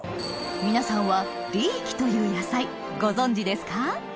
皆さんは「リーキ」という野菜ご存じですか？